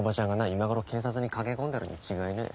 今頃警察に駆け込んでるに違いねぇ。